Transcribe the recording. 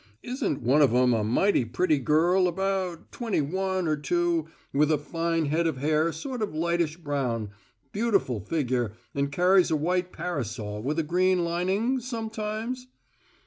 Isn't one of 'em a mighty pretty girl about twenty one or two, with a fine head of hair sort of lightish brown, beautiful figure, and carries a white parasol with a green lining sometimes?"